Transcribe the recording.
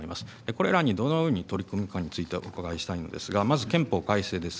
これらにどのように取り組むかについてお伺いしたいのですがまず憲法改正です。